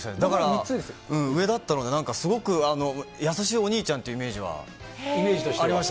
上だったのが、すごく優しいお兄ちゃんというイメージはありました。